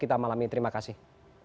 kita malam ini terima kasih